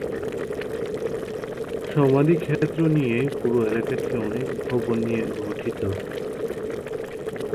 সমাধিক্ষেত্র নিয়ে পুরু এলাকাটি অনেক ভবন নিয়ে গঠিত।